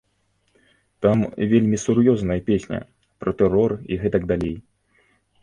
Там вельмі сур'ёзная песня, пра тэрор і гэтак далей.